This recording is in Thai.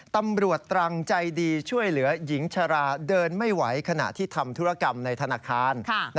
ตรังใจดีช่วยเหลือหญิงชราเดินไม่ไหวขณะที่ทำธุรกรรมในธนาคาร